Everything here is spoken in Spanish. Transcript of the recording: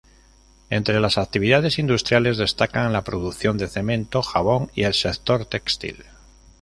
Entre las actividades industriales destacan la producción de cemento, jabón y el sector textil.